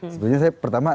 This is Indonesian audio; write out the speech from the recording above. sebenarnya saya pertama